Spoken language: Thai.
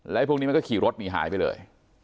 แล้วพวกนี้มันก็ขี่รถหนีหายไปเลย